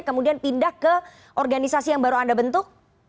kemudian pindah ke organisasi yang baru anda bentuk